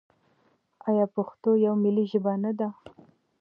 آیا پښتو یوه ملي ژبه نه ده؟